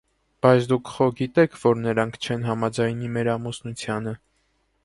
- Բայց դուք խո գիտե՞ք, որ նրանք չեն համաձայնի մեր ամուսնությանը: